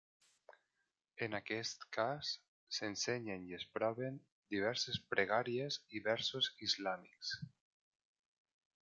En aquest cas, s'ensenyen i es proven diverses pregàries i versos islàmics.